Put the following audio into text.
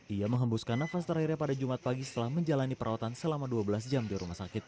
ia menghembuskan nafas terakhirnya pada jumat pagi setelah menjalani perawatan selama dua belas jam di rumah sakit